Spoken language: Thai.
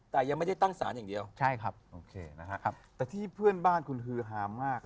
แต่ยังไม่ได้ตั้งสารอย่างเดียวใช่ครับโอเคนะครับแต่ที่เพื่อนบ้านคุณฮือฮามาก